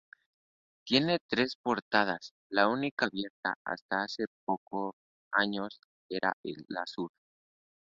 Tiene tres portadas: la única abierta hasta hace pocos años era la sur.